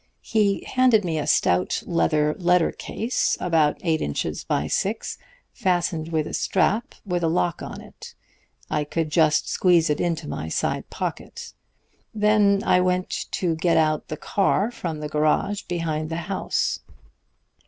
He handed me a stout leather letter case, about eight inches by six, fastened with a strap with a lock on it. I could just squeeze it into my side pocket. Then I went to get out the car from the garage behind the house.